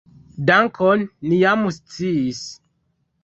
Dankon, ni jam sciis.